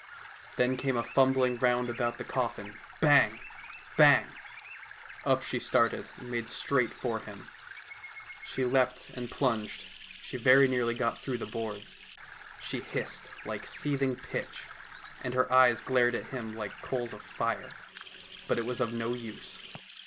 Then came a fumbling round about the coffin — bang ! bang !— up she started, and made straight for him. She leaped and plunged, she very nearly got through the boards. She hissed, like seething pitch, and her eyes glared at him like coals of fire, but it was of no use.